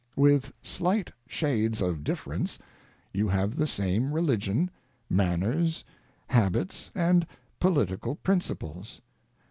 ŌĆö With slight shades of difference, you have the same Religion, Manners, Habits, and political Principles.